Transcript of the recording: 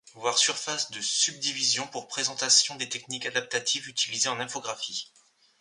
Voir surface de subdivision pour présentation des techniques adaptatives utilisées en infographie.